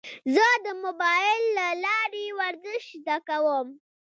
زه د موبایل له لارې ورزش زده کوم.